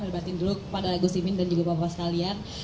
perbatin dulu kepada gus imin dan juga bapak bapak sekalian